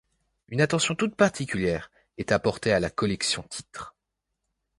Une attention toute particulière est à porter à la collection Titres.